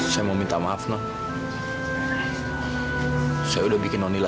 sita itu dipanggil